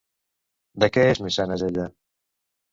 De què és mecenes ella?